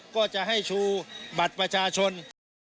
ก็จะให้ชูบัตรประชาชน